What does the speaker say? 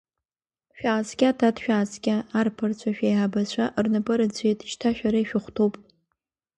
Шәааскьа, дад, шәааскьа, арԥарцәа, шәеиҳабацәа рнапы рыӡәӡәеит, шьҭа шәара ишәыхәҭоуп!